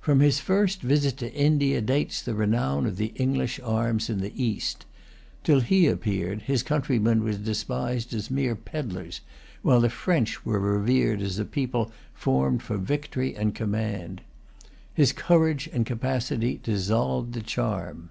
From his first visit to India dates the renown of the English arms in the East. Till he appeared, his countrymen were despised as mere pedlars, while the French were revered as a people formed for victory and command. His courage and capacity dissolved the charm.